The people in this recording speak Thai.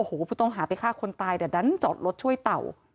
โอ้โหผู้ต้องหาไปฆ่าคนตายแต่ดันจอดรถช่วยเต่า